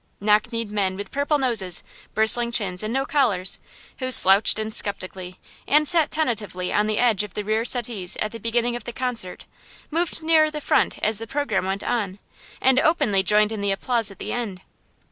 Knock kneed men with purple noses, bristling chins, and no collars, who slouched in sceptically and sat tentatively on the edge of the rear settees at the beginning of the concert, moved nearer the front as the programme went on, and openly joined in the applause at the end.